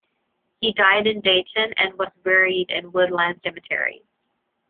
He died in Dayton and was buried in Woodland Cemetery.